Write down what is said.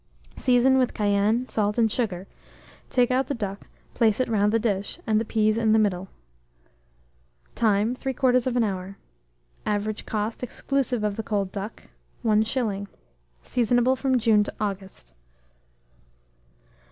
Season with cayenne, salt, and sugar; take out the duck, place it round the dish, and the peas in the middle. Time. 3/4 hour. Average cost, exclusive of the cold duck, 1s. Seasonable from June to August.